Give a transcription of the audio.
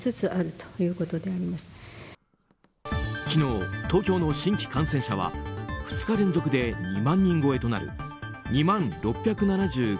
昨日、東京の新規感染者は２日連続で２万人超えとなる２万６７９人。